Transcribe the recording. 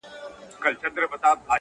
• لـه ژړا دي خداى را وساته جانـانـه،